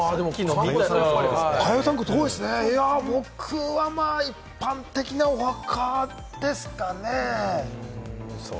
僕はまぁ一般的なお墓ですかね？